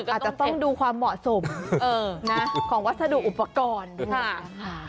อาจจะต้องดูความเหมาะสมของวัสดุอุปกรณ์ค่ะ